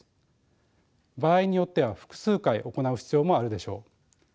場合によっては複数回行う必要もあるでしょう。